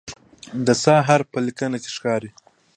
د "ث" حرف په لیکنه کې ښکاري.